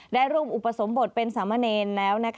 ได้ร่วมอุปสรมบทเป็นสำเนียนแล้ว